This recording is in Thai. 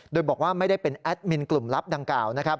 โดยบอกว่าไม่ได้เป็นแอดมินกลุ่มลับดังกล่าวนะครับ